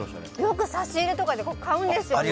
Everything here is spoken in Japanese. よく差し入れとかで買うんです。